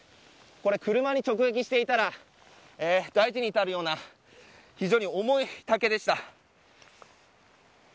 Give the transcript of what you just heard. これ、車に直撃していたら大事に至るような非常に重い竹でした。